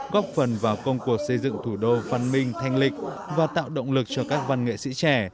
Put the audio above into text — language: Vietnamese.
góp phần vào công cuộc xây dựng thủ đô văn minh thanh lịch và tạo động lực cho các văn nghệ sĩ trẻ